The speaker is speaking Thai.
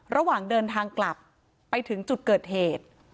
ระหว่างเดินทางกลับไปถึงจุดเกิดเหตุ